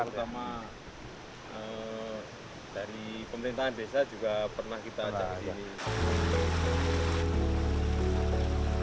terutama dari pemerintahan desa juga pernah kita ajak ini